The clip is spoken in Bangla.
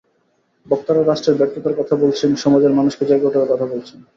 বক্তারা রাষ্ট্রের ব্যর্থতার কথা বলছেন, সমাজের মানুষকে জেগে ওঠার কথা বলছেন।